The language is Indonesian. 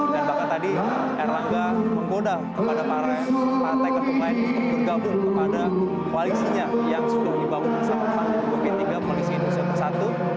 dan bahkan tadi arlaga menggoda kepada para partai ketum lain untuk bergabung kepada koalisinya yang sudah dibangun bersama sama dengan tiga polisi indonesia bersatu